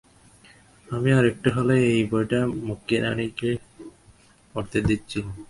আমি আর একটু হলেই এই বইটা মক্ষীরানীকে পড়তে দিচ্ছিলুম।